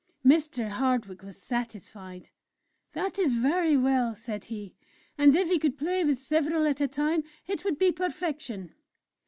Mr. Hardwick was satisfied. "That is very well," said he, "and if he could play with several at a time it would be perfection."